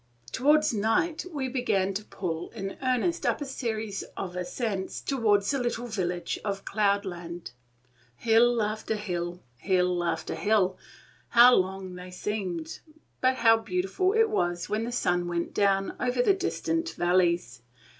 Towards night we began to pull in earnest up a series of ascents toward the little village of Cloudland. Hill after hill, hill after hill, how long they seemed! but how beautiful it was when the sun went down over the distant valleys!